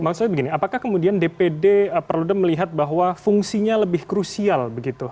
maksudnya begini apakah kemudian dpd perlu dem melihat bahwa fungsinya lebih krusial begitu